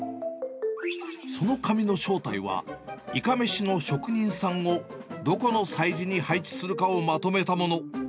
その紙の正体は、いかめしの職人さんを、どこの催事に配置するかをまとめたもの。